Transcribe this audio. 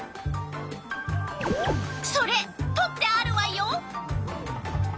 それとってあるわよ！